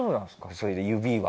それで指は。